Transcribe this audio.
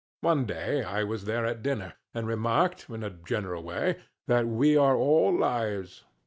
One day I was there at dinner, and remarked, in a general way, that we are all liars.